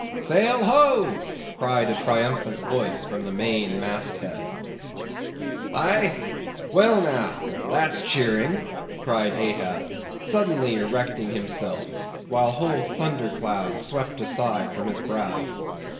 "Sail ho!" cried a triumphant voice from the main mast head. "Aye? Well, now, that's cheering," cried Ahab, suddenly erecting himself, while whole thunder clouds swept aside from his brow.